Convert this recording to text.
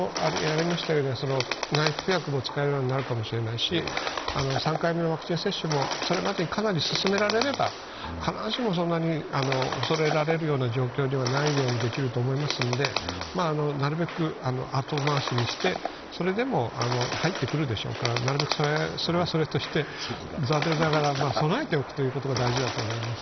ただ、内服薬も使えるようになるかもしれないし、３回目のワクチン接種もそれまでにかなり進められれば必ずしも、そんなに恐れられるような状況にはないようにできると思いますのでなるべく後回しにしてそれでも入ってくるでしょうから、それはそれとして、残念ながら備えておくということが大事だと思います。